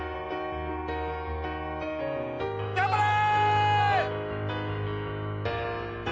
頑張れ！